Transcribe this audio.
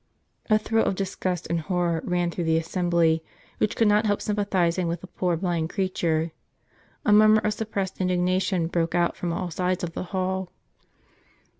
UXr ■% A thrill of disgust and horror ran through the assembly, which could not help sympathizing with the poor blind creature. A murmur of suppressed indignation broke out from all sides of the hall.